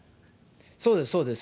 そうです、そうです。